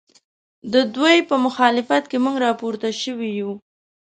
ددوی په مخالفت کې موږ راپورته شوي یو